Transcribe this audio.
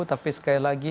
tapi sekali lagi